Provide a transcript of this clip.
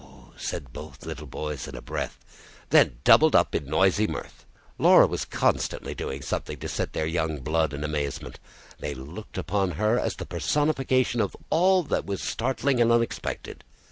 said both little boys in a breath, then doubled up in noisy mirth. Laura was constantly doing something to set their young blood in amazement: they looked upon her as the personification of all that was startling and unexpected.